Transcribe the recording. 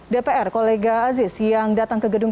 dpr kolega aziz yang datang ke gedung